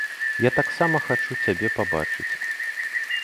Я таксама хачу цябе пабачыць.